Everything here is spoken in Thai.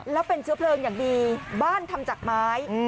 แล้วเป็นเชื้อเพลิงอย่างดีบ้านทำจากไม้